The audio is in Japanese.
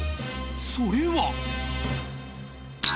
それは。